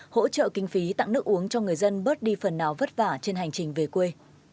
hỗ trợ kinh phí tặng nước uống cho người dân bớt đi phần nào vất vả trên hành trình về quê